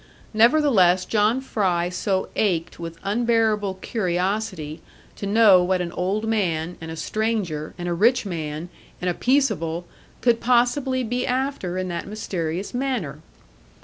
Nevertheless John Fry so ached with unbearable curiosity to know what an old man, and a stranger, and a rich man, and a peaceable could possibly be after in that mysterious manner.